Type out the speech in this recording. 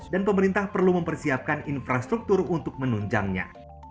dan pemerintah perlu mempersiapkan infrastruktur untuk menunjangnya